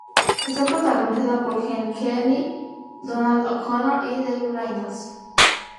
Está protagonizada por Gene Kelly, Donald O'Connor y Debbie Reynolds.